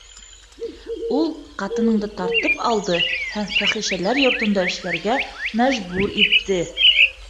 Ул ҡатыныңды тартып алды һәм фәхишәләр йортонда эшләргә мәжбүр итте.